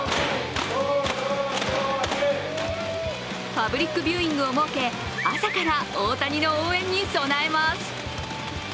パブリックビューイングを設け朝から大谷の応援に備えます。